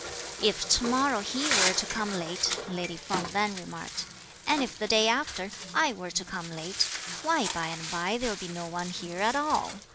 "If to morrow he were to come late," lady Feng then remarked, "and if the day after, I were to come late; why by and by there'll be no one here at all!